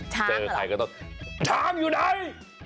เจอใครก็ต้องชามอยู่ไหน